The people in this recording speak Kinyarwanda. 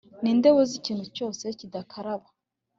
Ninde woza ikintu cyose kidakaraba